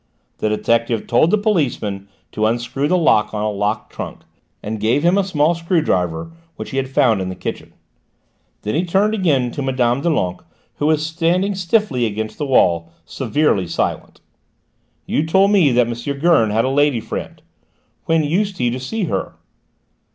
The detective told the policeman to unscrew the lock on a locked trunk, and gave him a small screw driver which he had found in the kitchen. Then he turned again to Mme. Doulenques who was standing stiffly against the wall, severely silent. "You told me that M. Gurn had a lady friend. When used he to see her?"